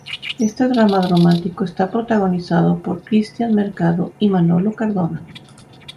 Este drama romántico está protagonizada por Cristian Mercado y Manolo Cardona.